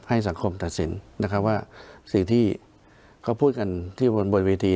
สังคมตัดสินนะครับว่าสิ่งที่เขาพูดกันที่บนเวที